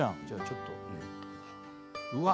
ちょっとうわ